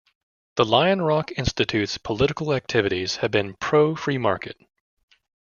The Lion Rock Institution's political activities have been pro-free market.